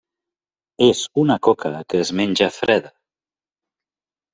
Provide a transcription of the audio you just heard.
És una coca que es menja freda.